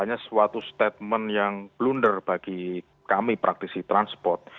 hanya suatu statement yang blunder bagi kami praktisi transport